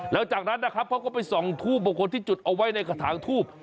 แล้วจากนั้นนะครับเขาก็ไปส่องทูบบุคคลที่จุดเอาไว้ในกระถางทูบ